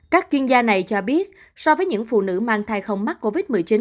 các chuyên gia này cho biết so với những phụ nữ mang thai không mắc covid một mươi chín